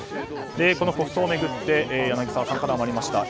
国葬を巡って柳澤さんからもありました